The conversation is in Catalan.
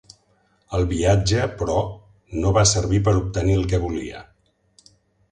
El viatge, però, no va servir per obtenir el que volia.